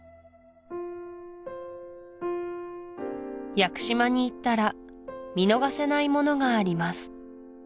屋久島に行ったら見逃せないものがあります